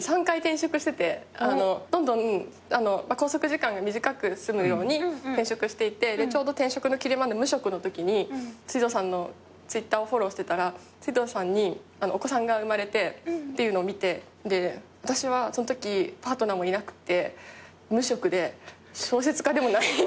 どんどん拘束時間が短く済むように転職していてちょうど転職の切れ間の無職のときに辻堂さんのＴｗｉｔｔｅｒをフォローしてたら辻堂さんにお子さんが生まれてっていうのを見て私はそのときパートナーもいなくて無職で小説家でもないんですよ。